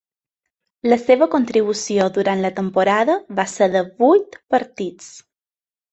La seva contribució durant la temporada va ser de vuit partits.